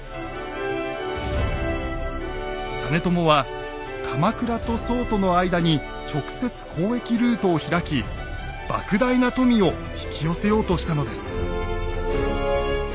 実朝は鎌倉と宋との間に直接交易ルートを開きばく大な富を引き寄せようとしたのです。